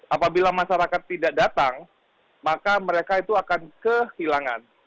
apabila masyarakat tidak datang maka mereka itu akan kehilangan